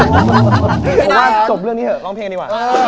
ผมว่าจบเรื่องนี้เถอะร้องเพลงดีกว่า